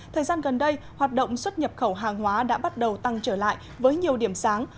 thời gian gần đây hoạt động xuất nhập khẩu hàng hóa đã bắt đầu tăng trở lại với nhiều điểm sáng